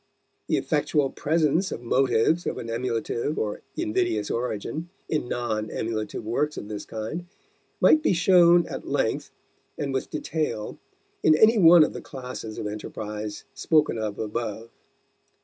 The effectual presence of motives of an emulative or invidious origin in non emulative works of this kind might be shown at length and with detail, in any one of the classes of enterprise spoken of above.